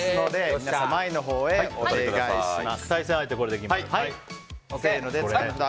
皆さん、前のほうへお願いします。